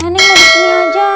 neng mau bikin aja